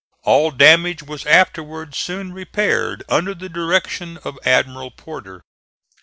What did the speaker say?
All damage was afterwards soon repaired under the direction of Admiral Porter.